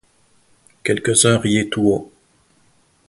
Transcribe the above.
Quelques-uns riaient tout haut.